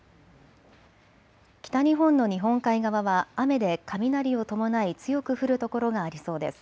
北日本の日本海側は雨で雷を伴い強く降る所がありそうです。